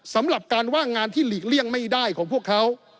สำหรับการว่างงานที่หลีกเลี่ยงไม่ได้ของพวกเขา